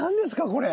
これ。